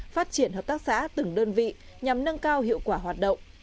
phát triển hợp tác xã từng đơn vị nhằm nâng cao hiệu quả hoạt động